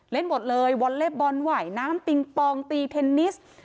หมดเลยวอลเล็บบอลไหวน้ำปิงปองตีเทนนิส